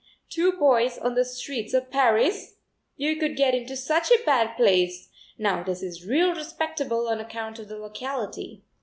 two boys on the streets of Paris! You could get into such a bad place; now this is real respectable on account of the locality."